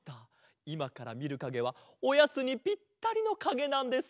いまからみるかげはおやつにぴったりのかげなんです。